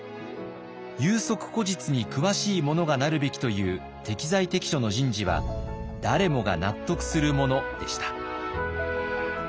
有職故実に詳しい者がなるべきという適材適所の人事は誰もが納得するものでした。